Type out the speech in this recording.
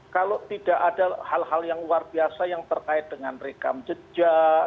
kalau tidak ada hal hal yang luar biasa yang terkait dengan rekam jejak